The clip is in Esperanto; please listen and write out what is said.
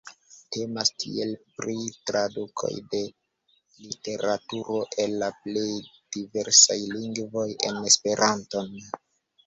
Temas tiele pri tradukoj de literaturo el la plej diversaj lingvoj en Esperanton.